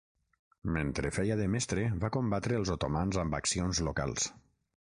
Mentre feia de mestre, va combatre els otomans amb accions locals.